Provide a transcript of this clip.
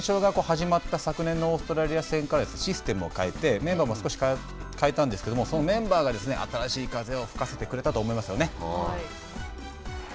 連勝が始まった昨年のオーストラリア戦からシステムを変えてメンバーも少し変えたんですけれども、そのメンバーが新しい風を吹かせてくれたと思いますよね。